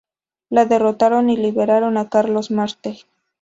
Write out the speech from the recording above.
La derrotaron y liberaron a Carlos Martel.